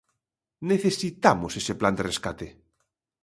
Necesitamos ese plan de rescate.